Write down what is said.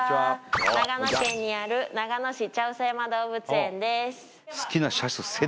長野県にある長野市茶臼山動物園です